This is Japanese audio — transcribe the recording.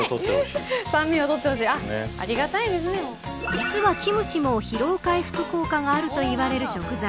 実はキムチも、疲労回復効果があるといわれる食材。